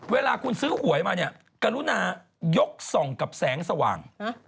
เวลาคุณซื้อหวยมาเนี่ยกรุณายกส่องกับแสงสว่าง